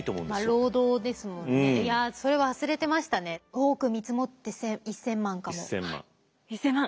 多く見積もって１，０００万かも。１，０００万。１，０００万。